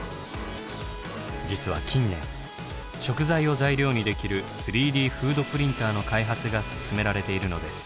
実は近年食材を材料にできる３Ｄフードプリンターの開発が進められているのです。